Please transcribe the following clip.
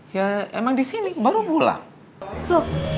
ya emang disini baru pulang